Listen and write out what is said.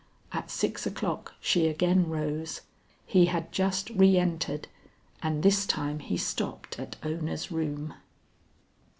At six o'clock she again rose; he had just re entered and this time he stopped at Ona's room.